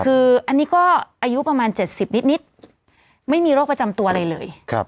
คืออันนี้ก็อายุประมาณ๗๐นิดไม่มีโรคประจำตัวอะไรเลย